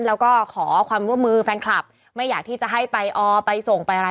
แล้วก็ขอความร่วมมือแฟนคลับไม่อยากที่จะให้ไปออไปส่งไปอะไร